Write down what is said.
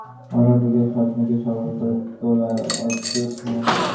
একদিকে তাঁর ছিল দূরদৃষ্টি, অন্যদিকে স্বপ্নকে সফল করে তোলার অদ্ভুত ক্ষমতা।